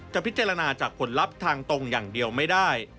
พิจารณาจากผลลัพธ์ทางตรงอย่างเดียวไม่ได้